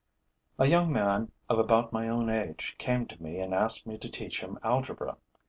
A young man of about my own age came to me and asked me to teach him algebra.